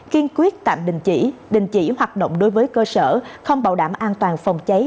kiên quyết tạm đình chỉ đình chỉ hoạt động đối với cơ sở không bảo đảm an toàn phòng cháy